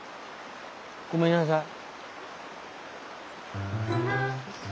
ごめんなさい。